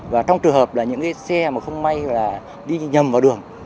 và trong trường hợp là những xe không may đi nhầm vào đường